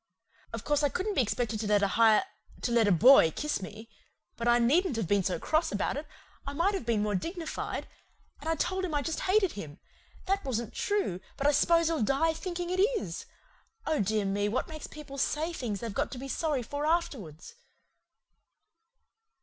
"Of course I couldn't be expected to let a hir to let a boy kiss me. But I needn't have been so cross about it. I might have been more dignified. And I told him I just hated him. That wasn't true, but I s'pose he'll die thinking it is. Oh, dear me, what makes people say things they've got to be so sorry for afterwards?"